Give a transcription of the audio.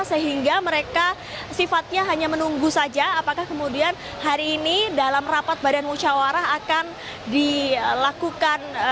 sehingga mereka sifatnya hanya menunggu saja apakah kemudian hari ini dalam rapat badan musyawarah akan dilakukan